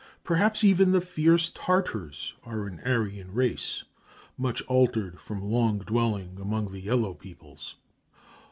Perhaps even the fierce Tartars are an Aryan race, much altered from long dwelling among the yellow peoples.